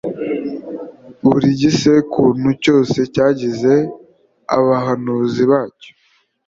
Buri gisekunt cyose cyagize abahanuzi bacyo,